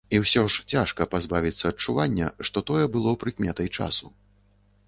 І ўсё ж, цяжка пазбавіцца адчування, што тое было прыкметай часу.